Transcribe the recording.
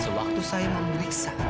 sewaktu saya memeriksa